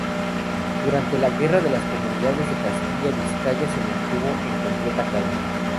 Durante la guerra de las Comunidades de Castilla Vizcaya se mantuvo en completa calma.